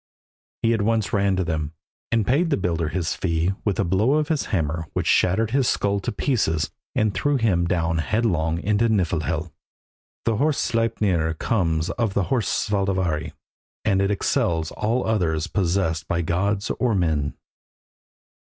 He at once ran to them, and paid the builder his fee with a blow of his hammer which shattered his skull to pieces and threw him down headlong into Niflhel. The horse Sleipner comes of the horse Svadilfari, and it excels all others possessed by gods or men.